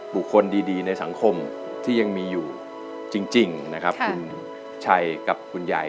บุคคลดีในสังคมที่ยังมีอยู่จริงนะครับคุณชัยกับคุณยาย